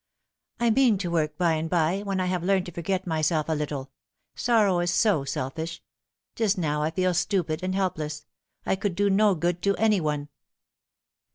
" I mean to work by and by when I have learned to forget myself a little. Sorrow is so selfish. Just now I feel stupid and helpless. I could do no good to any one."